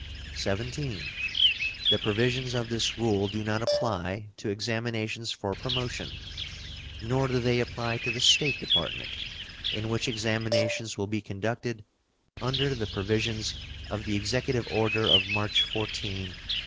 (17) The provisions of this rule do not apply to examinations for promotion, nor do they apply to the State Department, in which examinations will be conducted under the provisions of the Executive order of March 14, 1873.